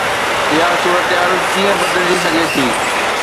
اها صورتحال ڪيئن بدلجي سگهي ٿي؟